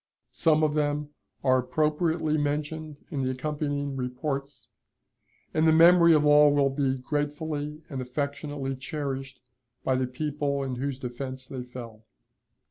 Some of them are appropriately mentioned in the accompanying reports, and the memory of all will be gratefully and affectionately cherished by the people in whose defense they fell.